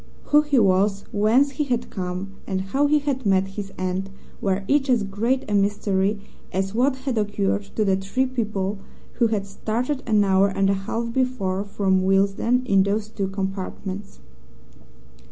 Who he was, whence he had come, and how he had met his end were each as great a mystery as what had occurred to the three people who had started an hour and a half before from Willesden in those two compartments.